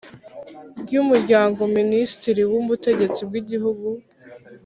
ry Umuryango Minisitiri w Ubutegetsi bw Igihugu